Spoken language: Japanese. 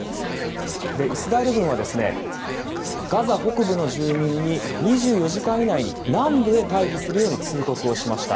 イスラエル軍はガザ北部の住民に２４時間以内に南部へ退避するよう通告しました。